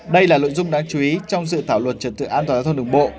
đây là lội dung đáng chú ý trong dự thảo luật trật tự an toàn thông đường bộ